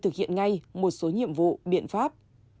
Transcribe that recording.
thực hiện ngay một số nhiệm vụ biện pháp